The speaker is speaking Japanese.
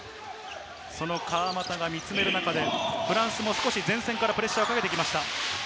その川真田が見詰める中で、フランスも少し前線からプレッシャーをかけてきました。